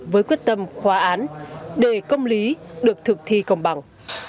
với quyết tâm khóa án để công lý được thực thi công bằng